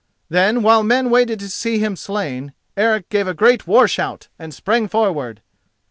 Then, while men waited to see him slain, Eric gave a great war shout and sprang forward.